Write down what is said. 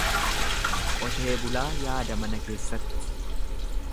Qotee bulaa yaada mana keessatti.